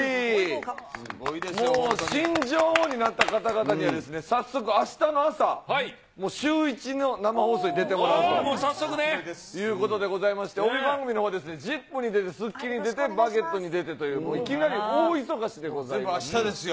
もう新女王になった方々には、早速、あしたの朝、シューイチの生放送に出てもらうと。ということでございまして、帯番組のほうは、ＺＩＰ！に出てスッキリに出て、バゲットに出てという、全部あしたですよ。